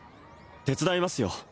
手伝いますよ